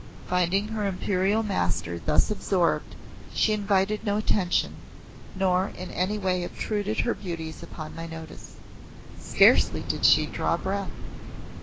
Finding her Imperial Master thus absorbed, she invited no attention, nor in any way obtruded her beauties upon my notice. Scarcely did she draw breath.